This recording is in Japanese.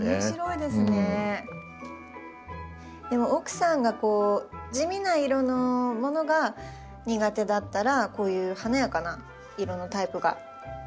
でも奥さんが地味な色のものが苦手だったらこういう華やかな色のタイプがいいかもしれないですね。